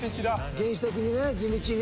原始的にね地道に。